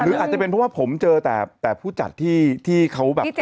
หรืออาจจะเป็นเพราะว่าผมเจอแต่ผู้จัดที่เขาแบบเต็มที่